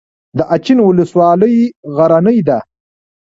د اچین ولسوالۍ غرنۍ ده